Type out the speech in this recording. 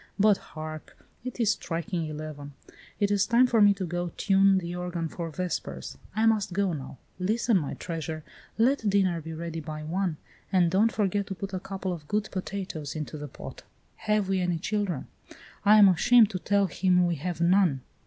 But hark, it is striking eleven. It is time for me to go tune the organ for vespers. I must go now. Listen, my treasure; let dinner be ready by one, and don't forget to put a couple of good potatoes into the pot. Have we any children! I am ashamed to tell him we have none.